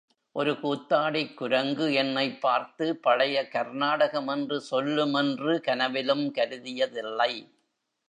ஒரு கூத்தாடிக் குரங்கு என்னைப் பார்த்து பழைய கர்நாடகம் என்று சொல்லுமென்று கனவிலும் கருதியதில்லை.